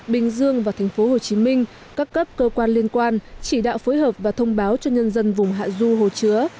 bình dương và thành phố hồ chí minh các cấp cơ quan liên quan chỉ đạo phối hợp và thông báo cho nhân dân vùng hạ du hồ chứa